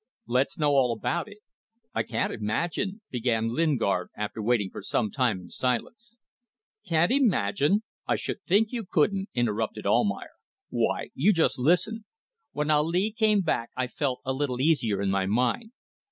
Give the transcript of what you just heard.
Let's know all about it. I can't imagine ..." began Lingard, after waiting for some time in silence. "Can't imagine! I should think you couldn't," interrupted Almayer. "Why! ... You just listen. When Ali came back I felt a little easier in my mind.